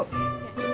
selamat pak haji